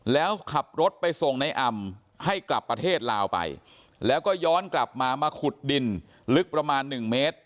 แล้วขับรถไปส่งในอำให้กลับประเทศลาวไปแล้วก็ย้อนกลับมามาขุดดินลึกประมาณ๑เมตร